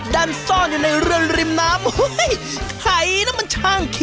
ด้านซ่อนอยู่ในเรือนริมน้ำ